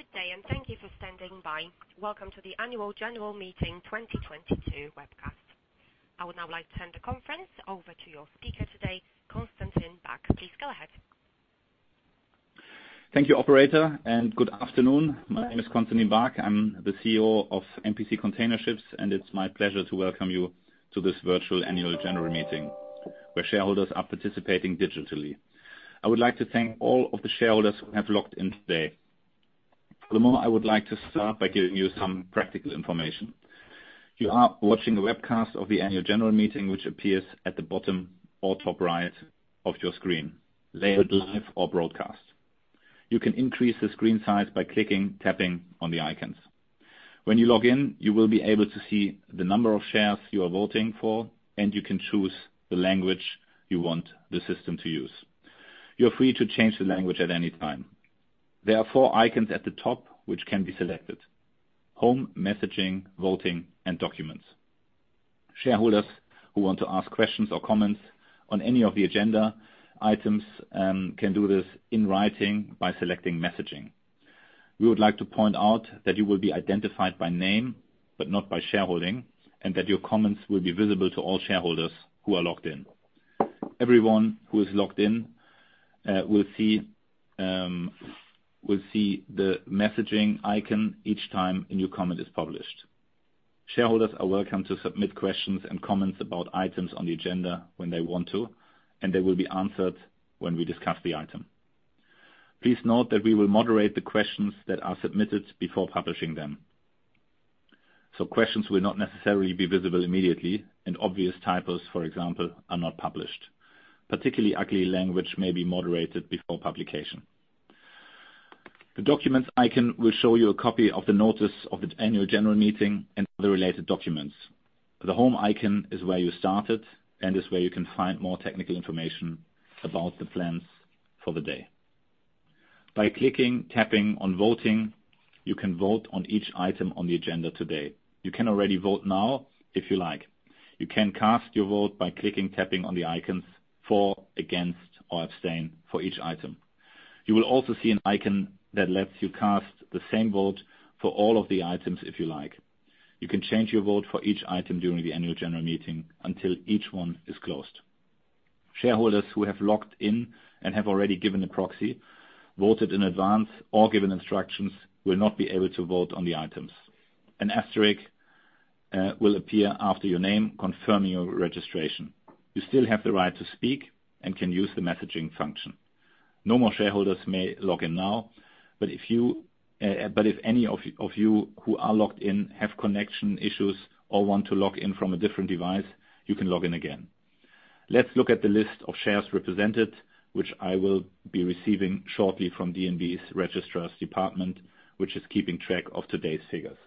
Good day, and thank you for standing by. Welcome to the Annual General Meeting 2022 webcast. I would now like to turn the conference over to your speaker today, Constantin Baack. Please go ahead. Thank you, operator, and good afternoon. My name is Constantin Baack. I'm the CEO of MPC Container Ships, and it's my pleasure to welcome you to this virtual annual general meeting, where shareholders are participating digitally. I would like to thank all of the shareholders who have logged in today. For the moment, I would like to start by giving you some practical information. You are watching a webcast of the annual general meeting, which appears at the bottom or top right of your screen, labeled Live or Broadcast. You can increase the screen size by clicking, tapping on the icons. When you log in, you will be able to see the number of shares you are voting for, and you can choose the language you want the system to use. You are free to change the language at any time. There are four icons at the top, which can be selected. Home, Messaging, Voting, and Documents. Shareholders who want to ask questions or comments on any of the agenda items, can do this in writing by selecting Messaging. We would like to point out that you will be identified by name, but not by shareholding, and that your comments will be visible to all shareholders who are logged in. Everyone who is logged in, will see the messaging icon each time a new comment is published. Shareholders are welcome to submit questions and comments about items on the agenda when they want to, and they will be answered when we discuss the item. Please note that we will moderate the questions that are submitted before publishing them. Questions will not necessarily be visible immediately, and obvious typos, for example, are not published. Particularly ugly language may be moderated before publication. The Documents icon will show you a copy of the notice of the annual general meeting and other related documents. The Home icon is where you started and is where you can find more technical information about the plans for the day. By clicking, tapping on Voting, you can vote on each item on the agenda today. You can already vote now if you like. You can cast your vote by clicking, tapping on the icons for, against, or abstain for each item. You will also see an icon that lets you cast the same vote for all of the items if you like. You can change your vote for each item during the annual general meeting until each one is closed. Shareholders who have logged in and have already given a proxy, voted in advance or given instructions will not be able to vote on the items. An asterisk will appear after your name, confirming your registration. You still have the right to speak and can use the messaging function. No more shareholders may log in now, but if any of you who are logged in have connection issues or want to log in from a different device, you can log in again. Let's look at the list of shares represented, which I will be receiving shortly from DNB's Registrar's department, which is keeping track of today's figures.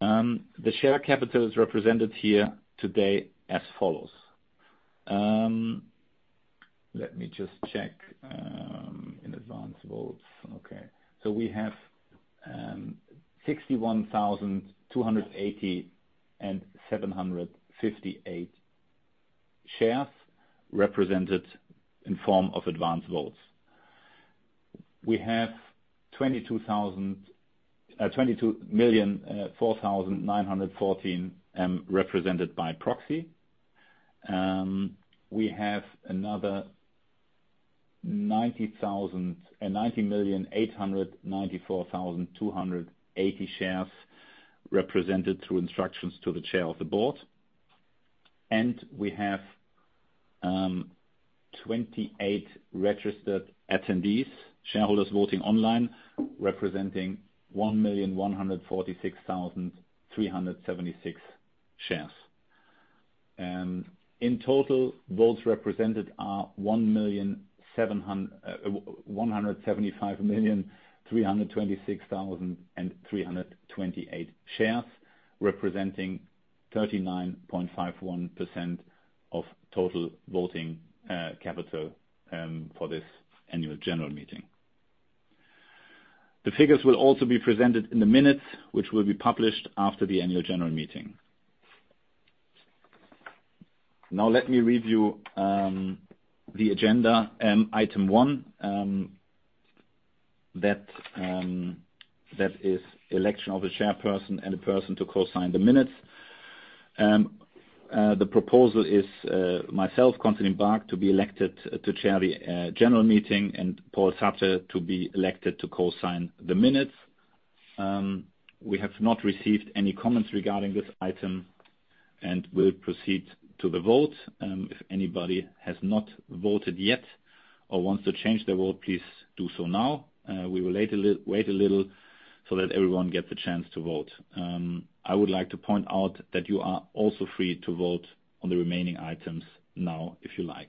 The share capital is represented here today as follows. Let me just check in advance votes. Okay. We have 61,280 and 758 shares represented in form of advance votes. We have 22,004,914 represented by proxy. We have another 90,894,280 shares represented through instructions to the chair of the board. We have 28 registered attendees, shareholders voting online, representing 1,146,376 shares. In total, votes represented are 175,326,328 shares, representing 39.51% of total voting capital for this annual general meeting. The figures will also be presented in the minutes, which will be published after the annual general meeting. Now let me review, the agenda, item one, that is election of a chairperson and a person to co-sign the minutes. The proposal is, myself, Constantin Baack, to be elected, to chair the, general meeting and Pål Sætre to be elected to co-sign the minutes. We have not received any comments regarding this item and will proceed to the vote. If anybody has not voted yet or wants to change their vote, please do so now. We will wait a little so that everyone gets a chance to vote. I would like to point out that you are also free to vote on the remaining items now if you like.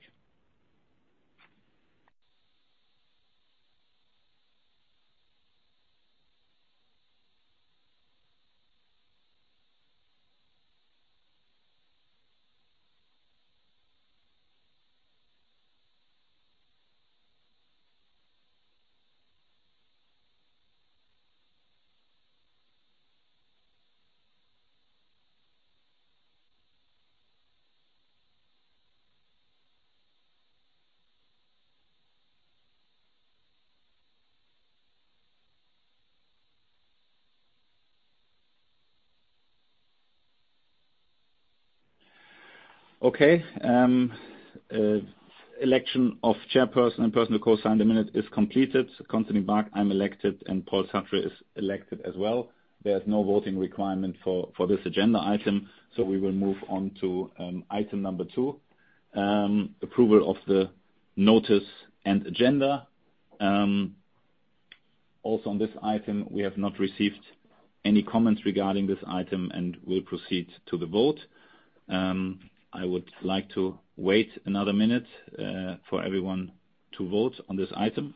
Okay. Election of chairperson and person who co-signed the minute is completed. Constantin Baack, I'm elected, and Pål Sætre is elected as well. There's no voting requirement for this agenda item, so we will move on to item number 2, approval of the notice and agenda. Also on this item, we have not received any comments regarding this item and will proceed to the vote. I would like to wait another minute for everyone to vote on this item.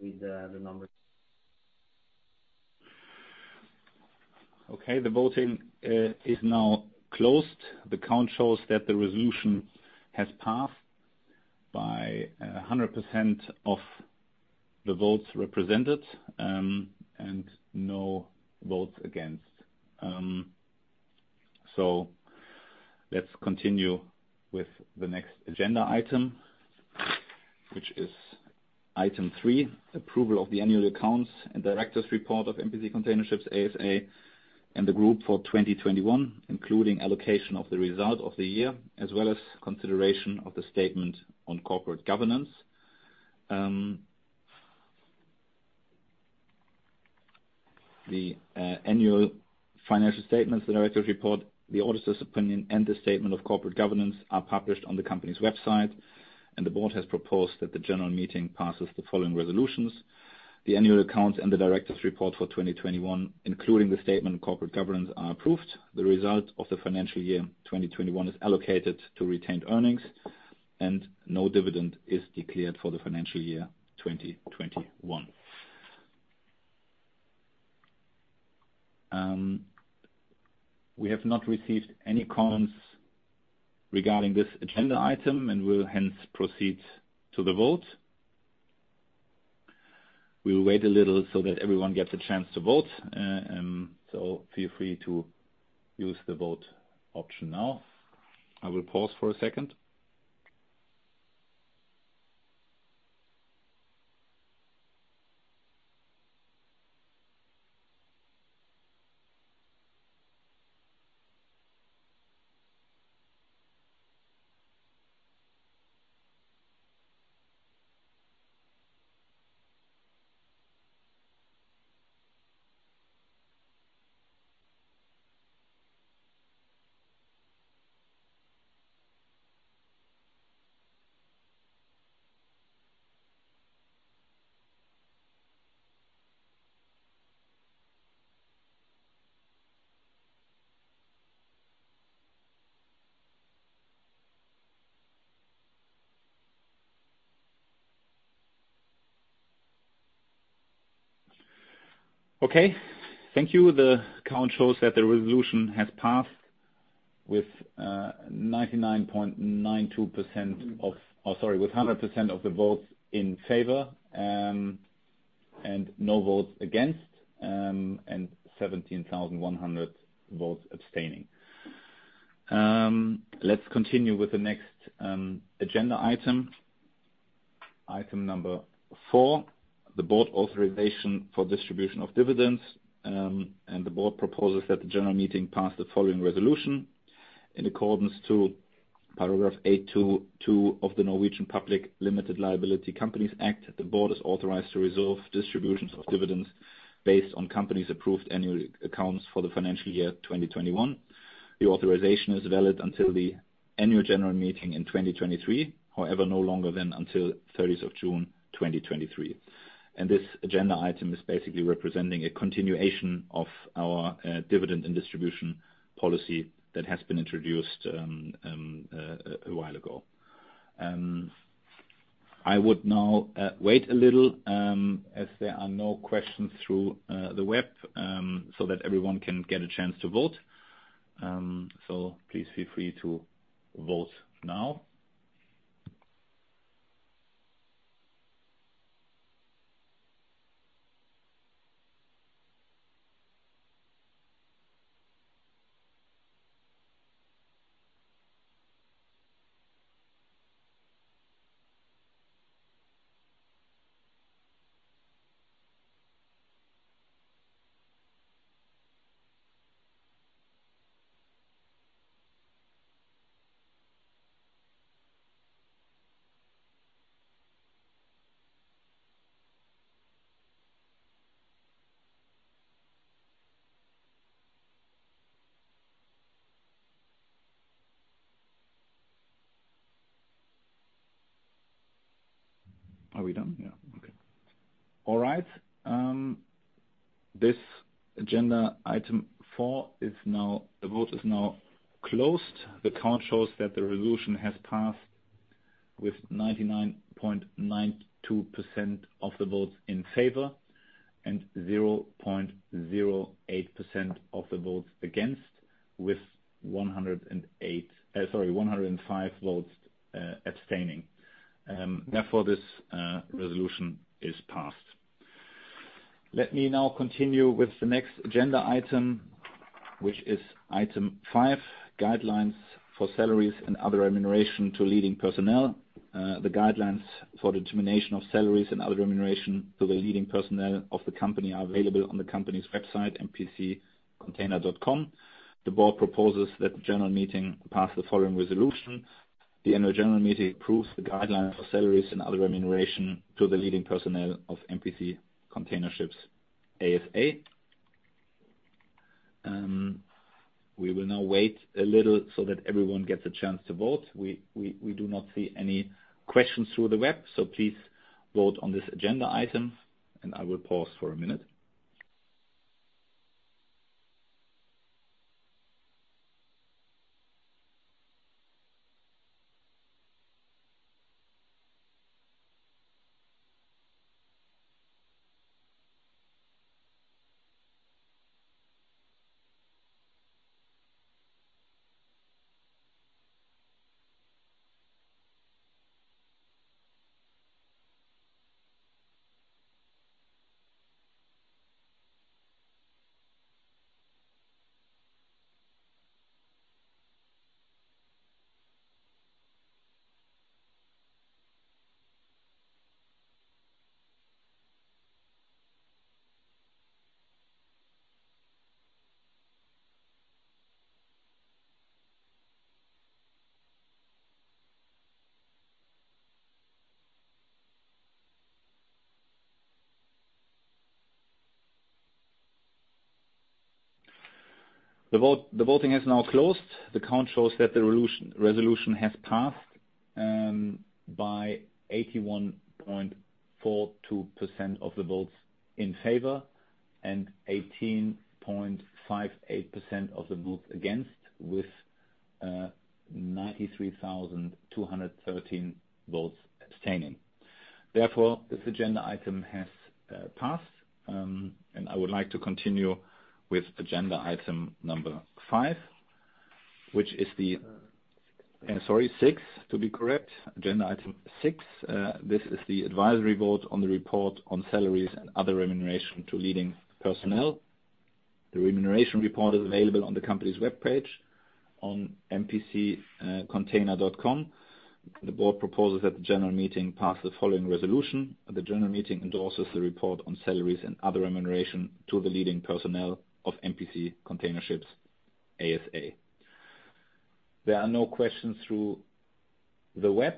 Read the numbers. Okay. The voting is now closed. The count shows that the resolution has passed by 100% of the votes represented, and no votes against. Let's continue with the next agenda item, which is item 3, approval of the annual accounts and directors report of MPC Container Ships ASA, and the group for 2021, including allocation of the result of the year, as well as consideration of the statement on corporate governance. The annual financial statements, the directors' report, the auditor's opinion, and the statement of corporate governance are published on the company's website, and the board has proposed that the general meeting passes the following resolutions. The annual accounts and the directors' report for 2021, including the statement of corporate governance, are approved. The result of the financial year 2021 is allocated to retained earnings, and no dividend is declared for the financial year 2021. We have not received any comments regarding this agenda item and will hence proceed to the vote. We will wait a little so that everyone gets a chance to vote. So feel free to use the vote option now. I will pause for a second. Okay. Thank you. The count shows that the resolution has passed with 99.92% of Oh, sorry, with 100% of the votes in favor, and no votes against, and 17,100 votes abstaining. Let's continue with the next agenda item. Item 4, the board authorization for distribution of dividends, and the board proposes that the general meeting pass the following resolution in accordance with paragraph 8-2-2 of the Norwegian Public Limited Liability Companies Act. The board is authorized to resolve distributions of dividends based on company's approved annual accounts for the financial year 2021. The authorization is valid until the annual general meeting in 2023, however, no longer than until thirtieth of June 2023. This agenda item is basically representing a continuation of our dividend and distribution policy that has been introduced a while ago. I would now wait a little, as there are no questions through the web, so that everyone can get a chance to vote. Please feel free to vote now. Are we done? Yeah. Okay. All right. This agenda item 4 is now the vote is now closed. The count shows that the resolution has passed with 99.92% of the votes in favor and 0.08% of the votes against, with 105 votes abstaining. Therefore this resolution is passed. Let me now continue with the next agenda item, which is item 5: Guidelines for Salaries and Other Remuneration to Leading Personnel. The guidelines for determination of salaries and other remuneration to the leading personnel of the company are available on the company's website, mpc-container.com. The board proposes that the general meeting pass the following resolution. The annual general meeting approves the guidelines for salaries and other remuneration to the leading personnel of MPC Container Ships ASA. We will now wait a little so that everyone gets a chance to vote. We do not see any questions through the web, so please vote on this agenda item, and I will pause for a minute. The voting has now closed. The count shows that the resolution has passed by 81.42% of the votes in favor and 18.58% of the votes against, with 93,213 votes abstaining. Therefore, this agenda item has passed, and I would like to continue with agenda item number five, sorry, six, to be correct. Agenda item six. This is the advisory vote on the report on salaries and other remuneration to leading personnel. The remuneration report is available on the company's webpage on mpc-container.com. The board proposes that the general meeting pass the following resolution. The general meeting endorses the report on salaries and other remuneration to the leading personnel of MPC Container Ships ASA. There are no questions through the web,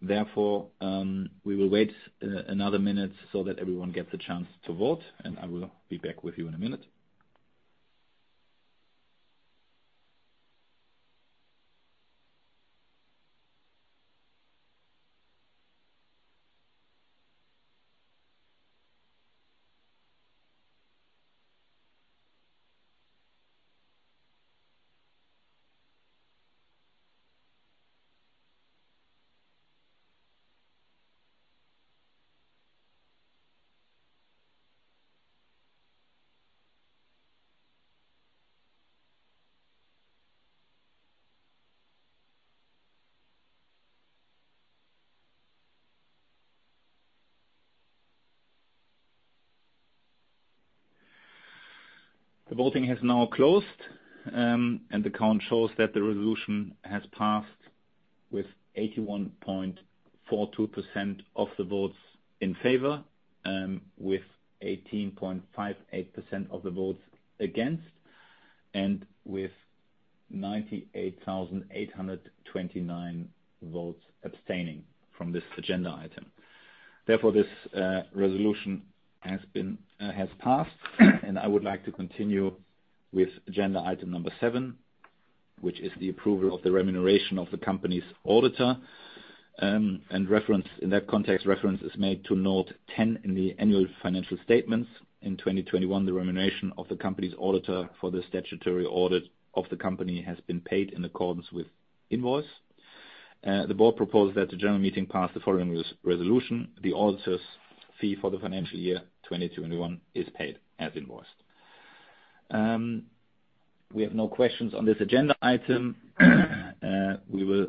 therefore, we will wait another minute so that everyone gets a chance to vote, and I will be back with you in a minute. The voting has now closed, and the count shows that the resolution has passed with 81.42% of the votes in favor, with 18.58% of the votes against, and with 98,829 votes abstaining from this agenda item. Therefore, this resolution has passed, and I would like to continue with agenda item 7, which is the approval of the remuneration of the company's auditor. In that context, reference is made to note 10 in the annual financial statements. In 2021, the remuneration of the company's auditor for the statutory audit of the company has been paid in accordance with invoice. The board proposed that the general meeting pass the following resolution. The auditor's fee for the financial year 2021 is paid as invoiced. We have no questions on this agenda item. We will,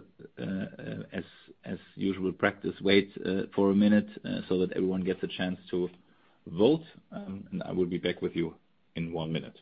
as usual practice, wait for a minute so that everyone gets a chance to vote. I will be back with you in one minute. All right.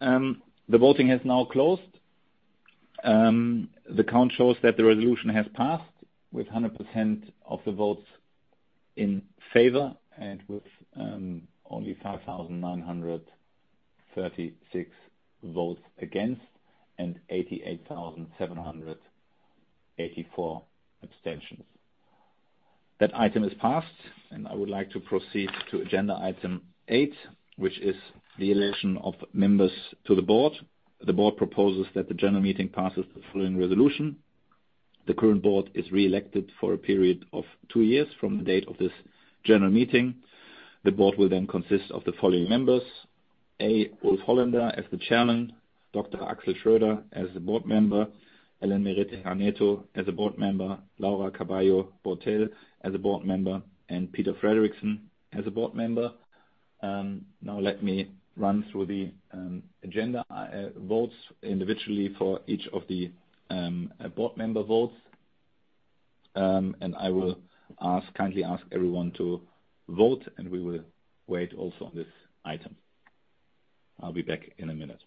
The voting has now closed. The count shows that the resolution has passed with 100% of the votes in favor and with only 5,936 votes against, and 88,784 abstentions. That item is passed, and I would like to proceed to agenda item 8, which is the election of members to the board. The board proposes that the general meeting passes the following resolution. The current board is re-elected for a period of two years from the date of this general meeting. The board will then consist of the following members: A, Ulf Holländer as Chairman, Dr. Axel Schröder as a Board Member, Ellen Merete Hanetho as a Board Member, Laura Carballo Beautell as a Board Member, and Peter Frederiksen as a Board Member. Now let me run through the agenda votes individually for each of the board member votes. I will kindly ask everyone to vote, and we will wait also on this item. I'll be back in a minute.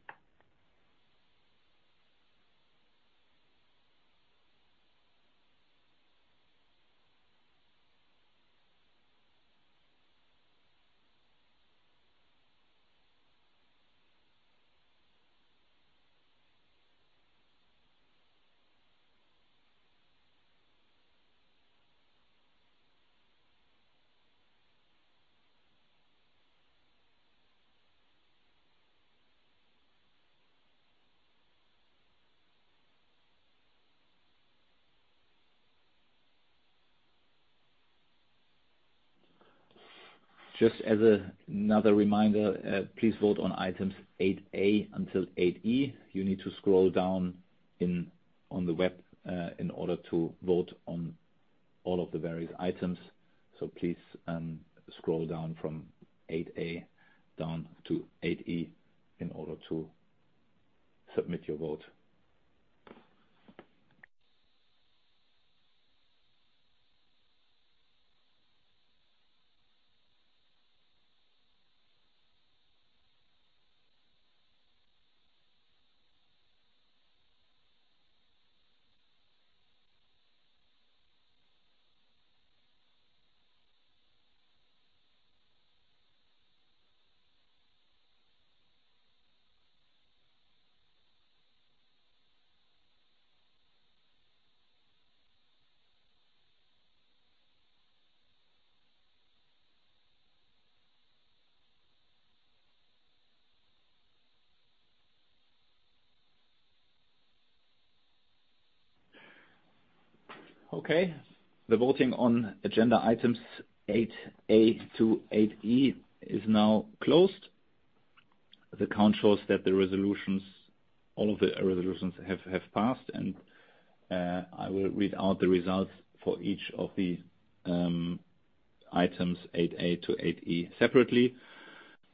Just as another reminder, please vote on items 8 A until 8 E. You need to scroll down on the web in order to vote on all of the various items. Please, scroll down from 8 A down to 8 E in order to submit your vote. Okay. The voting on agenda items 8 A to 8 E is now closed. The count shows that the resolutions, all of the resolutions have passed, and I will read out the results for each of the items 8 A to 8 E separately.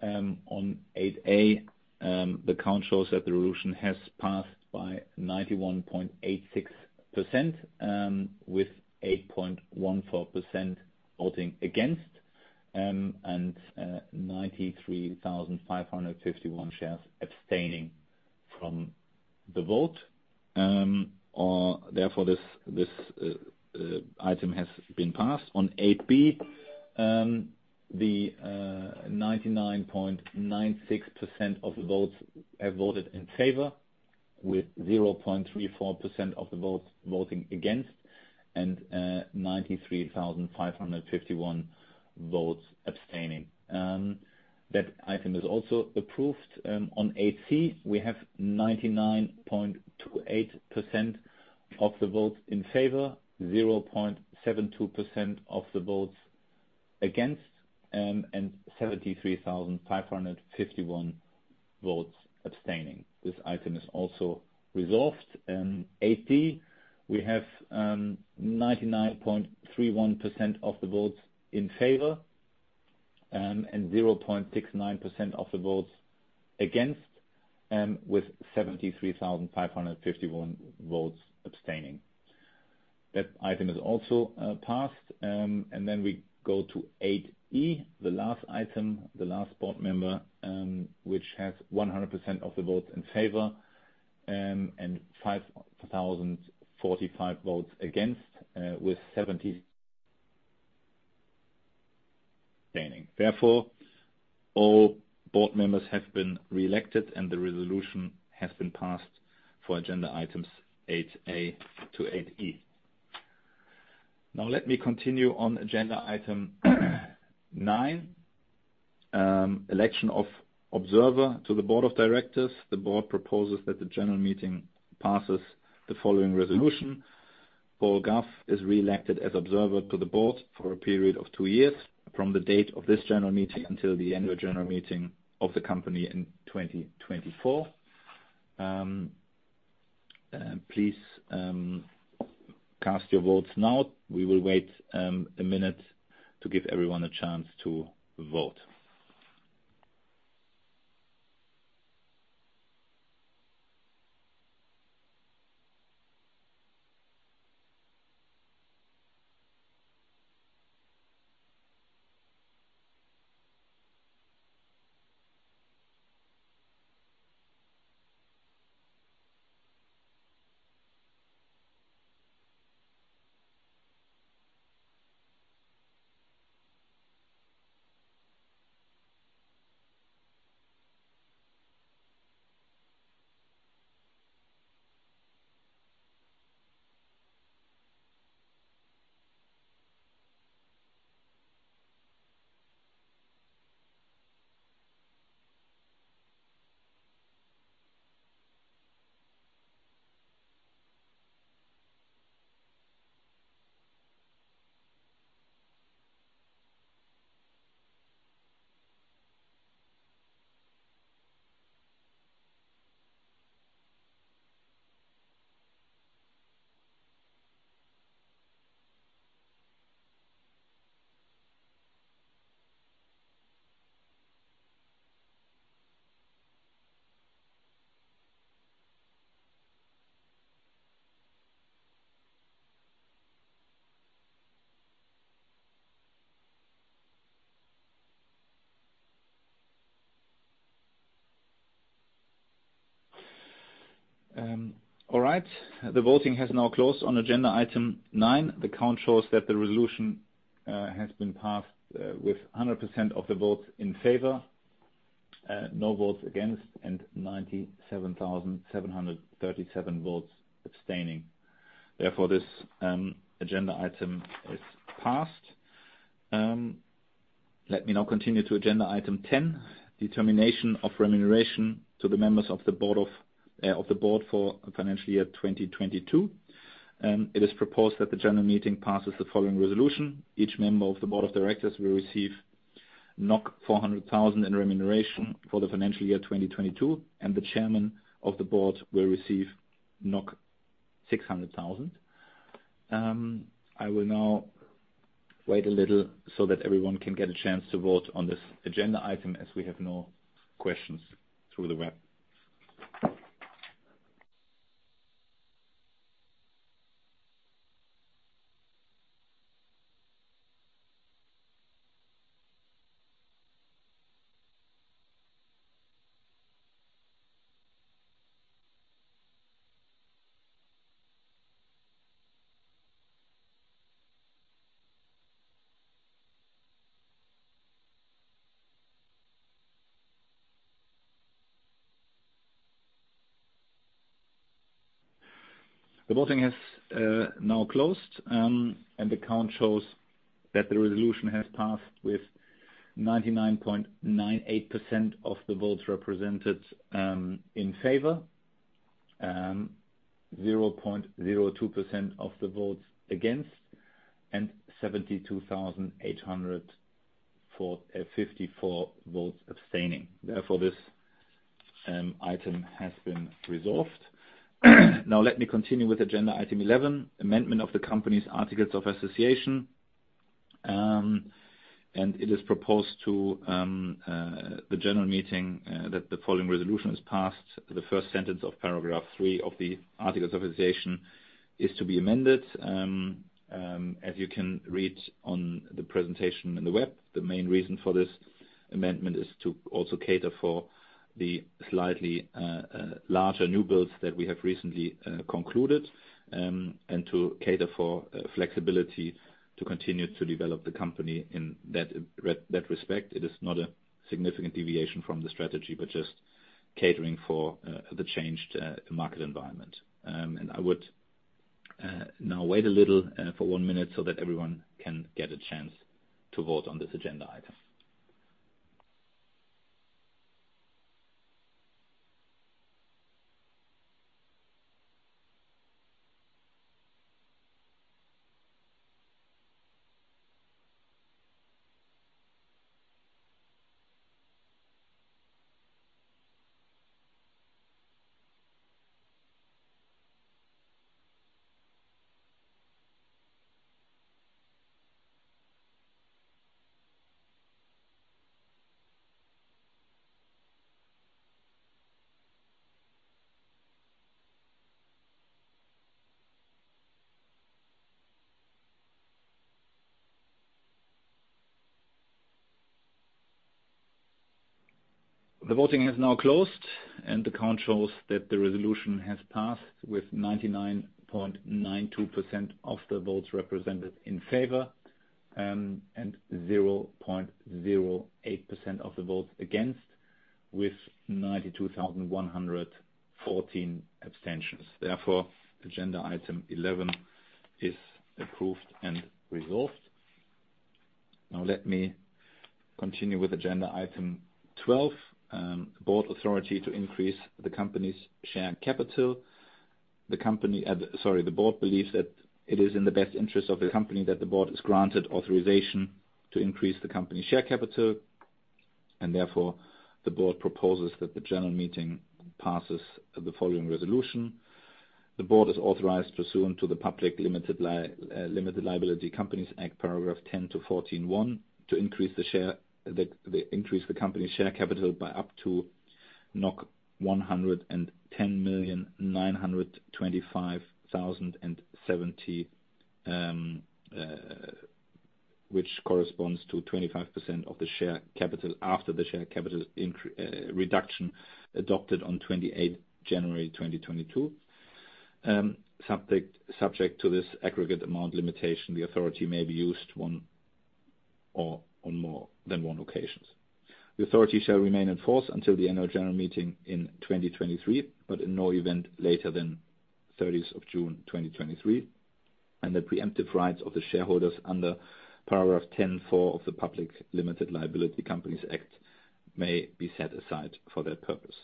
On 8A, the count shows that the resolution has passed by 91.86%, with 8.14% voting against, and 93,551 shares abstaining from the vote. Or therefore this item has been passed. On 8B, the 99.96% of the votes have voted in favor with 0.34% of the votes voting against, and 93,551 votes abstaining. That item is also approved. On 8C, we have 99.28% of the votes in favor, 0.72% of the votes against, and 73,551 votes abstaining. This item is also resolved. 8D, we have 99.31% of the votes in favor, and 0.69% of the votes against, with 73,551 votes abstaining. That item is also passed. We go to 8E, the last item, the last board member, which has 100% of the votes in favor, and 5,045 votes against, with 73,000 abstaining. Therefore, all board members have been reelected and the resolution has been passed for agenda items 8A to 8E. Now let me continue on agenda item 9, election of observer to the board of directors. The board proposes that the general meeting passes the following resolution. Paul Gough is reelected as observer to the board for a period of two years from the date of this general meeting until the annual general meeting of the company in 2024. Please, cast your votes now. We will wait a minute to give everyone a chance to vote. All right. The voting has now closed on agenda item 9. The count shows that the resolution has been passed with 100% of the votes in favor, no votes against, and 97,737 votes abstaining. Therefore, this agenda item is passed. Let me now continue to agenda item 10, determination of remuneration to the members of the board of the board for financial year 2022. It is proposed that the general meeting passes the following resolution. Each member of the board of directors will receive 400 thousand in remuneration for the financial year 2022, and the chairman of the board will receive 600 thousand. I will now wait a little so that everyone can get a chance to vote on this agenda item as we have no questions through the web. The voting has now closed, and the count shows that the resolution has passed with 99.98% of the votes represented in favor, 0.02% of the votes against, and 72,854 votes abstaining. Therefore, this item has been resolved. Now let me continue with agenda item 11, amendment of the company's articles of association. It is proposed to the general meeting that the following resolution is passed. The first sentence of paragraph three of the articles of association is to be amended. As you can read on the presentation on the web, the main reason for this amendment is to also cater for the slightly larger new builds that we have recently concluded, and to cater for flexibility to continue to develop the company in that respect. It is not a significant deviation from the strategy, but just catering for the changed market environment. I would now wait a little for one minute so that everyone can get a chance to vote on this agenda item. The voting has now closed, and the count shows that the resolution has passed with 99.92% of the votes represented in favor, and 0.08% of the votes against, with 92,114 abstentions. Therefore, agenda item eleven is approved and resolved. Now let me continue with agenda item twelve, board authority to increase the company's share capital. The board believes that it is in the best interest of the company that the board is granted authorization to increase the company's share capital, and therefore, the board proposes that the general meeting passes the following resolution. The board is authorized, pursuant to the Public Limited Liability Companies Act paragraph 10 to 14 one, to increase the share... Increase the company's share capital by up to 110,925,070, which corresponds to 25% of the share capital after the share capital reduction adopted on 28th January 2022. Subject to this aggregate amount limitation, the authority may be used on one or more occasions. The authority shall remain in force until the annual general meeting in 2023, but in no event later than 30th of June 2023, and the preemptive rights of the shareholders under Paragraph 10.4 of the Public Limited Liability Companies Act may be set aside for that purpose.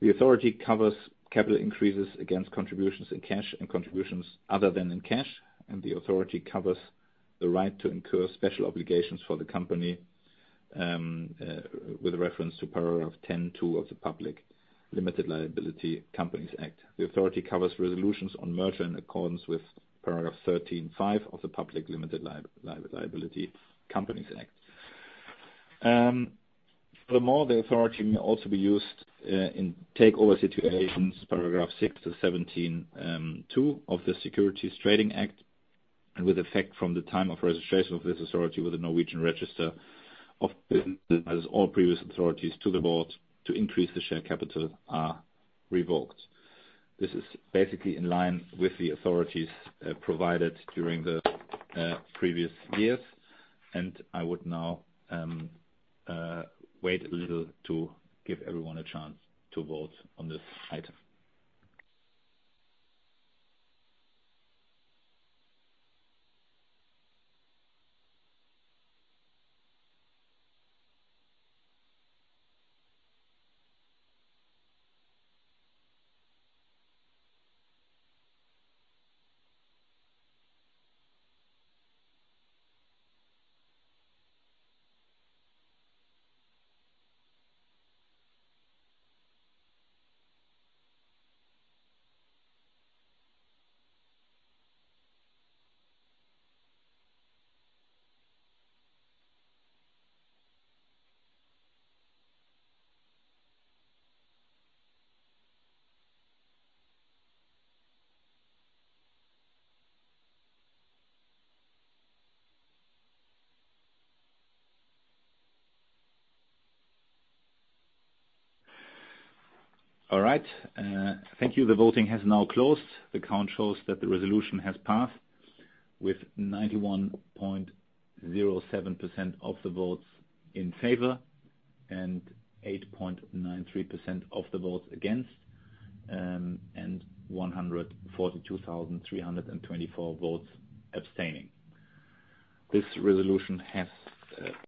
The authority covers capital increases against contributions in cash and contributions other than in cash, and the authority covers the right to incur special obligations for the company with reference to Paragraph 10-2 of the Public Limited Liability Companies Act. The authority covers resolutions on merger in accordance with Paragraph 13-5 of the Public Limited Liability Companies Act. Furthermore, the authority may also be used in takeover situations, Paragraph 6-17, 2 of the Securities Trading Act, and with effect from the time of registration of this authority with the Norwegian Register of Business Enterprises as all previous authorities to the board to increase the share capital are revoked. This is basically in line with the authorities provided during the previous years, and I would now wait a little to give everyone a chance to vote on this item. All right. Thank you. The voting has now closed. The count shows that the resolution has passed with 91.07% of the votes in favor and 8.93% of the votes against, and 142,324 votes abstaining. This resolution has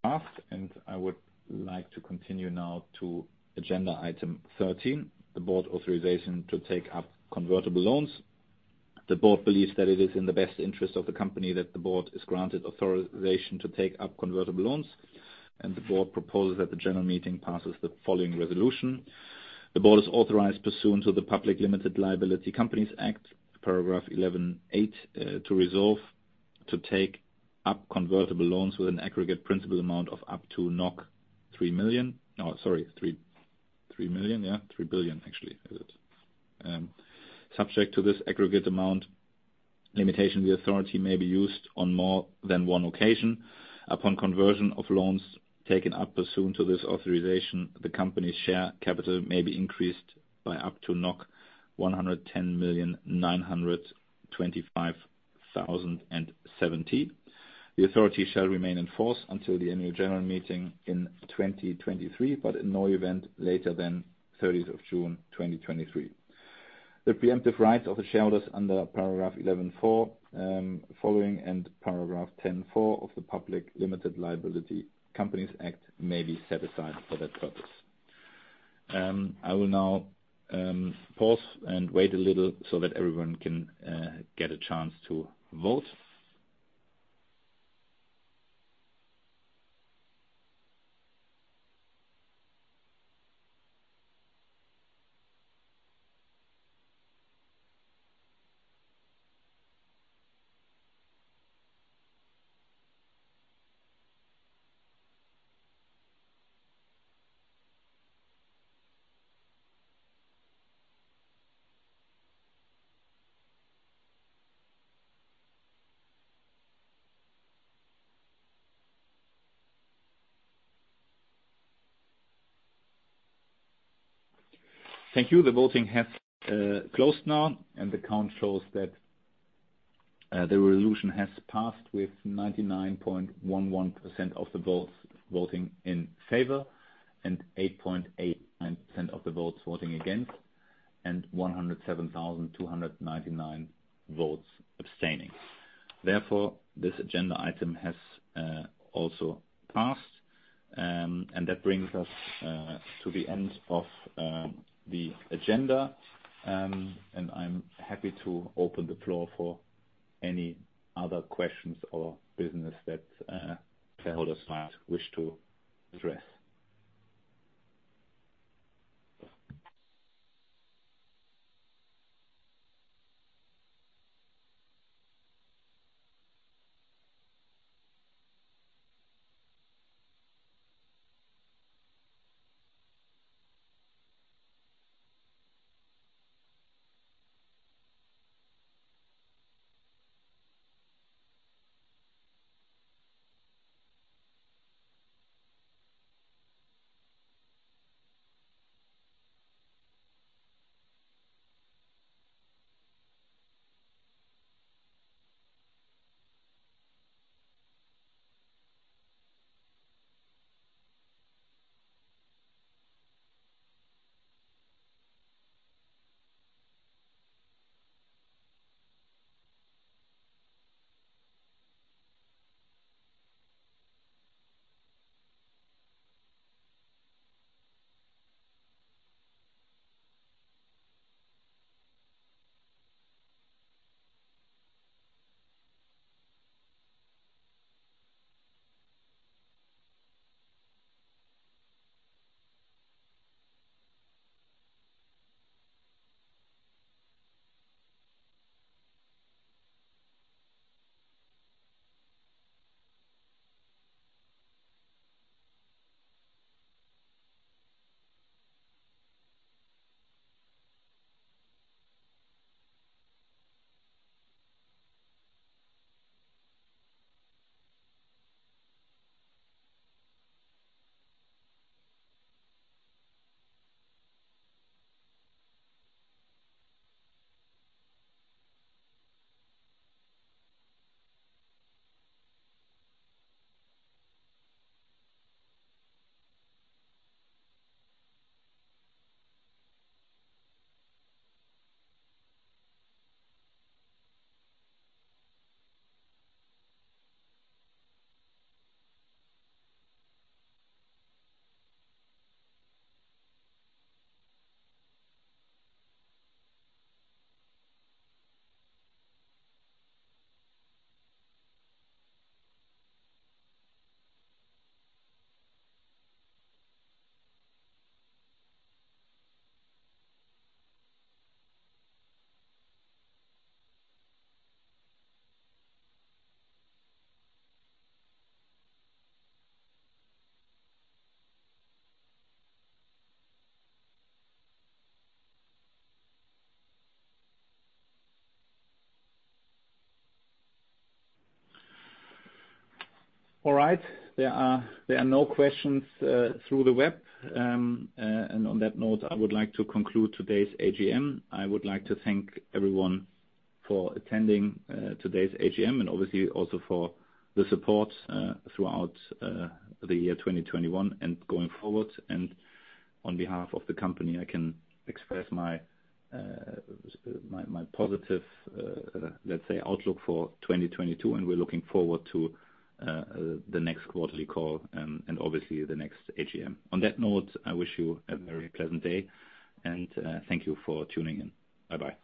passed, and I would like to continue now to agenda item 13, the board authorization to take up convertible loans. The board believes that it is in the best interest of the company that the board is granted authorization to take up convertible loans, and the board proposes that the general meeting passes the following resolution. The board is authorized, pursuant to the Public Limited Liability Companies Act paragraph 11-8, to resolve to take up convertible loans with an aggregate principal amount of up to 3 million. No, sorry, three million. Three billion, actually. Subject to this aggregate amount limitation, the authority may be used on more than one occasion. Upon conversion of loans taken up pursuant to this authorization, the company's share capital may be increased by up to 110,925,070. The authority shall remain in force until the annual general meeting in 2023, but in no event later than 30th of June, 2023. The preemptive rights of the shareholders under Paragraph 11-4 following and Paragraph 10-4 of the Public Limited Liability Companies Act may be set aside for that purpose. I will now pause and wait a little so that everyone can get a chance to vote. Thank you. The voting has closed now, and the count shows that the resolution has passed with 99.11% of the votes voting in favor and 8.89% of the votes voting against. 107,299 votes abstaining. Therefore, this agenda item has also passed. That brings us to the end of the agenda. I'm happy to open the floor for any other questions or business that shareholders might wish to address. All right. There are no questions through the web. On that note, I would like to conclude today's AGM. I would like to thank everyone for attending today's AGM and obviously also for the support throughout the year 2021 and going forward. On behalf of the company, I can express my positive, let's say, outlook for 2022. We're looking forward to the next quarterly call and obviously the next AGM. On that note, I wish you a very pleasant day, and thank you for tuning in. Bye-bye.